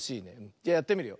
じゃやってみるよ。